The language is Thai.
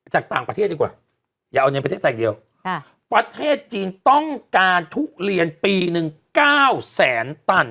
จากต่างประเทศดีกว่าอย่าเอาในประเทศต่างเดียวประเทศจีนต้องการทุเรียนปีหนึ่ง๙แสนตัน